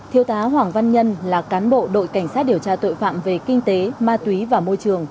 thiêu tá hoàng văn nhân là cán bộ đội cảnh sát điều tra tội phạm về kinh tế ma túy và môi trường